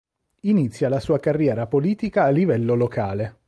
Inizia la sua carriera politica a livello locale.